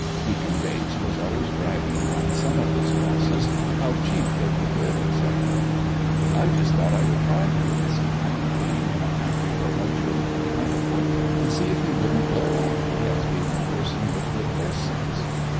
Deacon Bates was always bragging on some of his bosses, how cheap they could live, etc. I just thought I would try him this time, being in a country where luxuries were plentiful, and see if he wouldn't blow on me as being a person with good horse sense.